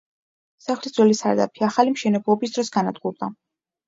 სახლის ძველი სარდაფი ახალი მშენებლობის დროს განადგურდა.